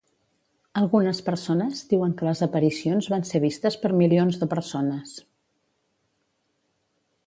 Algunes persones diuen que les aparicions van ser vistes per milions de persones.